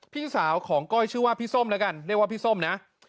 พี่สาวของก้อยชื่อว่าพี่ส้มแล้วกันเรียกว่าพี่ส้มนะ